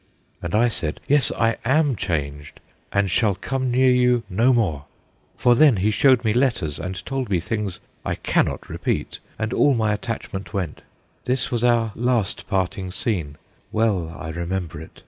" And I said, " Yes, I am changed, THE TWO BYRONS 97 and shall come near you no more/' For thsn he showed me letters, and told me things I cannot repeat, and all my attach ment went. This was our last parting scene well I remember it.